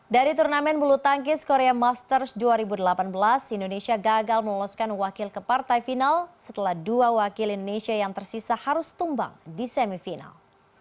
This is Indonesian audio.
dari turnamen bulu tangkis korea masters dua ribu delapan belas indonesia gagal meloloskan wakil ke partai final setelah dua wakil indonesia yang tersisa harus tumbang di semifinal